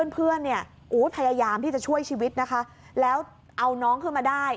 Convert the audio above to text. เพื่อนเนี่ยพยายามที่จะช่วยชีวิตนะคะแล้วเอาน้องขึ้นมาได้